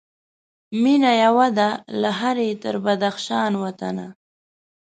مېنه یوه ده له هري تر بدخشان وطنه